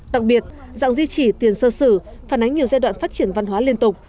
đặc biệt dạng di chỉ tiền sơ sử phản ánh nhiều giai đoạn phát triển văn hóa liên tục